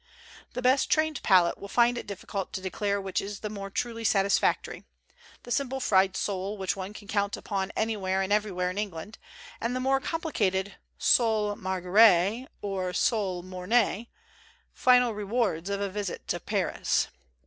The best trained palate will find it difficult to declare which is the more truly satisfactory, the simple fried sole which one can count upon anywhere and everywhere in England and the more com plicated Sole Marguery or Sole Mornay, final re wards of a visit to Paris.